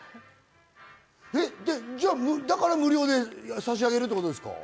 だから無料で差し上げるってことですか？